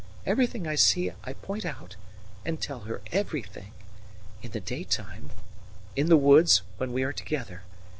Everything I see I point out, and tell her everything. In the daytime in the woods, when we are together.